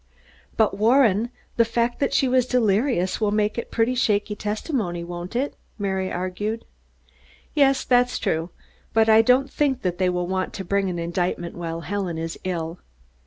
"But, Warren, the fact that she was delirious will make it pretty shaky testimony, won't it?" Mary argued. "Yes, that's true. But I don't think that they will want to bring an indictment while Helen is ill.